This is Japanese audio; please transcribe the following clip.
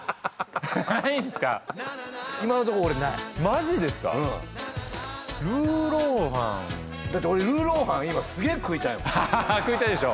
ないんですか今のところ俺ないまじですかルーロー飯だって俺ルーロー飯今すげぇ食いたいもん食いたいでしょ